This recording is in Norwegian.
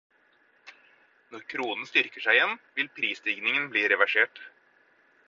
Når kronen styrker seg igjen, vil prisstigningen bli reversert.